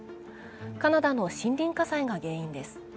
カナダの森林火災が原因です。